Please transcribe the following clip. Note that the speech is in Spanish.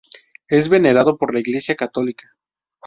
Es venerado por la Iglesia católica.